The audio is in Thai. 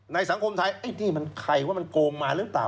สังคมไทยไอ้นี่มันใครว่ามันโกงมาหรือเปล่า